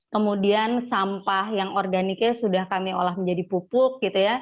kemudian sampah yang organiknya sudah kami olah menjadi pupuk